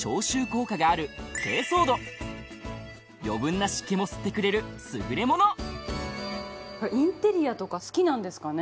余分な湿気も吸ってくれる優れものインテリアとか好きなんですかね。